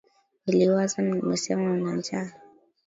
Niliwaza umesema unanjaa.